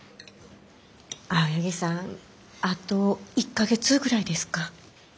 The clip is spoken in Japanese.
青柳さんあと１か月ぐらいですか？